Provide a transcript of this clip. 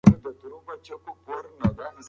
ارغنداب سیند د لرغوني تمدن نښه ده.